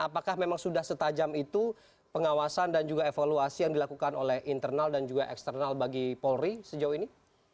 apakah memang sudah setajam itu pengawasan dan juga evaluasi yang dilakukan oleh internal dan juga eksternal bagi polri sejauh ini